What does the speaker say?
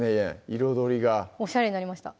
彩りがおしゃれになりました